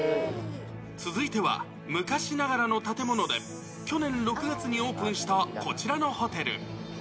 続いては、昔ながらの建物で、去年６月にオープンしたこちらのホテル。